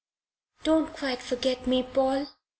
"Don't quite forget me, Paul.